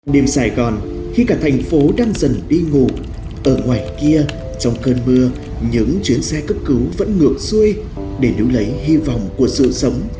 đêm sài gòn khi cả thành phố đang dần đi ngủ ở ngoài kia trong cơn mưa những chuyến xe cấp cứu vẫn ngược xuôi để đu lấy hy vọng của sự sống